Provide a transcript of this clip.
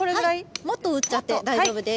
もっと打っちゃって大丈夫です。